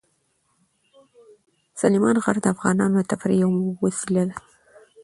سلیمان غر د افغانانو د تفریح یوه وسیله ده.